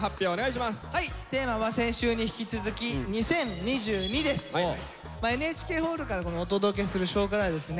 テーマは先週に引き続きＮＨＫホールからお届けする「少クラ」はですね